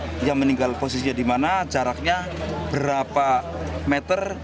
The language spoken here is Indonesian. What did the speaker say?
dugaan yang meninggal posisinya di mana jaraknya berapa meter